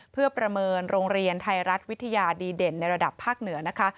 เพื่อประเมินโรงเรียนไทยรัฐวิทยาดีเด่นในระดับภาคเหนือนะคะ